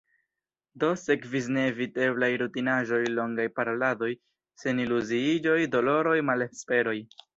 Do, sekvis neeviteblaj rutinaĵoj – longaj paroladoj, seniluziiĝoj, doloroj, malesperoj...